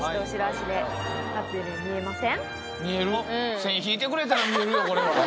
線引いてくれたら見えるよこれは。